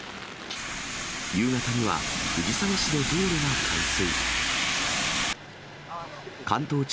夕方には、藤沢市で道路が冠水。